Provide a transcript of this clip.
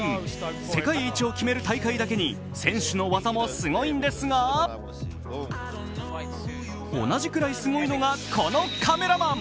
世界一を決める大会だけに選手の技もすごいんですが同じくらいすごいのがこのカメラマン。